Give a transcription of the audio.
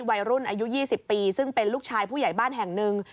วัยรุ่นอายุ๒๐ปีซึ่งเป็นลูกชายผู้ใหญ่บ้านแห่งหนึ่ง